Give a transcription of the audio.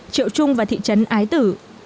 triệu trung và thị trấn ái tử